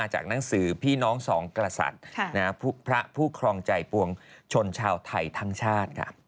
จากหนังสือพี่น้องสองกษัตริย์พระผู้ครองใจปวงชนชาวไทยทั้งชาติ